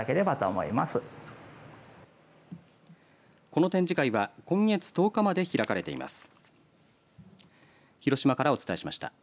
この展示会は今月１０日まで開かれています。